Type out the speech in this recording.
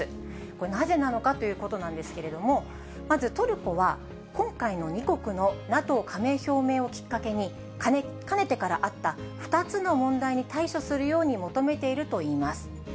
これなぜなのかということなんですけれども、まずトルコは今回の２国のＮＡＴＯ加盟表明をきっかけに、かねてからあった、２つの問題に対処するように求めているといいます。